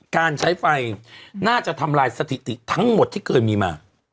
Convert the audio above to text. การใช้ไฟน่าจะทำลายสถิติทั้งหมดที่เคยมีมา